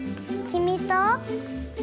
きみと！